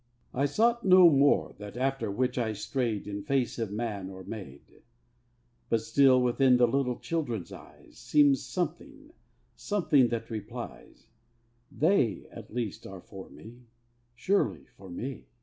I sought no more that after which I strayed In face of man or maid; But still within the little children's eyes Seems something, something that replies; They at least are for me, surely for me!